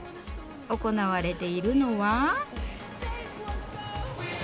行われているのは。